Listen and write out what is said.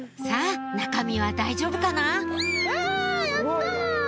さぁ中身は大丈夫かな？